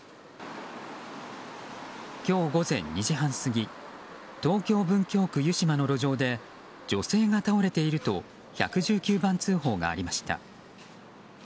今日午前２時半過ぎ東京・文京区湯島の路上で女性が倒れていると１１９番通報がありました。